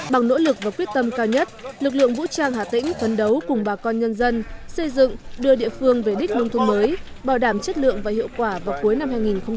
bằng nỗ lực và quyết tâm cao nhất lực lượng vũ trang hà tĩnh phấn đấu cùng bà con nhân dân xây dựng đưa địa phương về đích nông thôn mới bảo đảm chất lượng và hiệu quả vào cuối năm hai nghìn một mươi tám